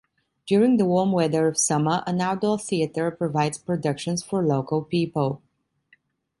During the warm weather of summer an outdoor theater provides productions for local people.